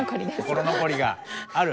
心残りがある？